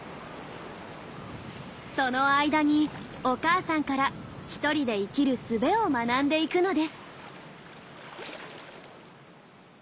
その間にお母さんから１人で生きるすべを学んでいくのです。